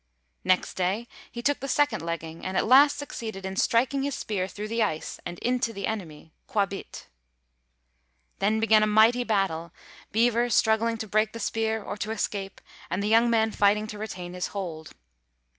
Next day he took the second legging, and at last succeeded in striking his spear through the ice and into the enemy, Quābīt. Then began a mighty battle, Beaver struggling to break the spear or to escape, and the young man fighting to retain his hold.